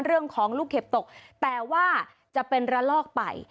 เรื่องของลูกเห็บตกแต่ว่าจะเป็นระลอกไป